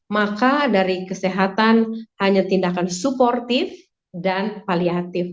maka dari kesehatan hanya tindakan suportif dan paliatif